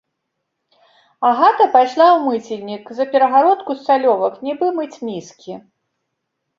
Агата пайшла ў мыцельнік, за перагародку з цалёвак, нібы мыць міскі.